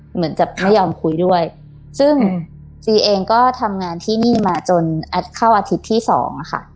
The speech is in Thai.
เหมือนจะไม่ยอมคุยด้วยซึ่งจีเองก็ทำงานที่นี่มาจนแอดเข้าอาทิตย์ที่สองอะค่ะ